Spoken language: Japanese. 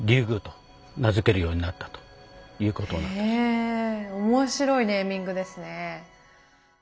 へえ面白いネーミングですね。